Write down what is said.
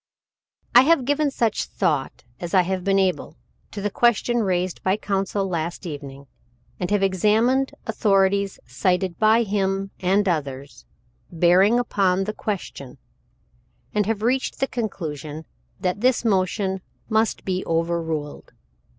"I have given such thought as I have been able to the question raised by counsel last evening, and have examined authorities cited by him, and others, bearing upon the question, and have reached the conclusion that his motion must be overruled.